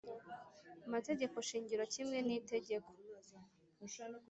Mategeko shingiro kimwe n itegeko